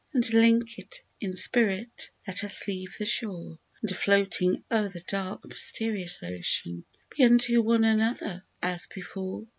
And link'd in spirit let us leave the shore, And floating o'er the dark mysterious ocean. Be unto one another as before